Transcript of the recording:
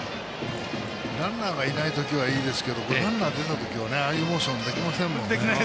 ランナーがいない時はいいですけどランナー出た時はああいうモーションできませんので。